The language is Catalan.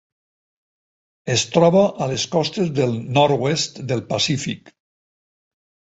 Es troba a les costes del nord-oest del Pacífic: